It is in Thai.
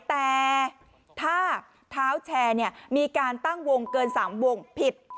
แต่ถ้าเท้าแชร์มีการตั้งวงเกิน๓วงผิด